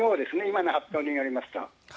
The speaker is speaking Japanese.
今の発表によりますと。